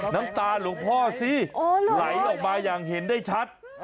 น้ำตาหลวงพ่อสิไหลออกมาอย่างเห็นได้ชัด